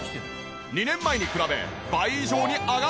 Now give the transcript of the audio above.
２年前に比べ倍以上に上がっている。